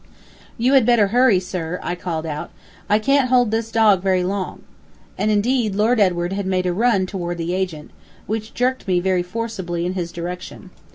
"You had better hurry, sir," I called out. "I can't hold this dog very long." And, indeed, Lord Edward had made a run toward the agent, which jerked me very forcibly in his direction.